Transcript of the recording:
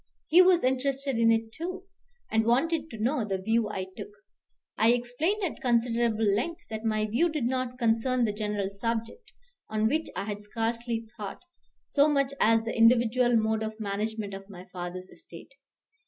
He was interested in it too, and wanted to know the view I took. I explained at considerable length that my view did not concern the general subject, on which I had scarcely thought, so much as the individual mode of management of my father's estate.